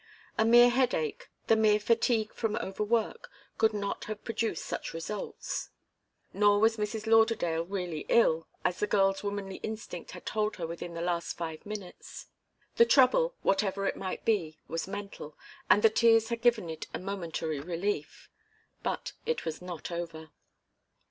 A mere headache, the mere fatigue from overwork, could not have produced such results. Nor was Mrs. Lauderdale really ill, as the girl's womanly instinct had told her within the last five minutes. The trouble, whatever it might be, was mental, and the tears had given it a momentary relief. But it was not over.